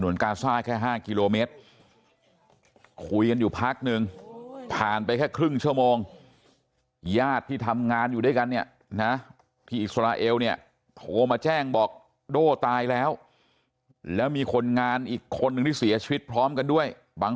แล้วมีคนงานอีกคนหนึ่งที่เสียชีวิตพร้อมกันด้วย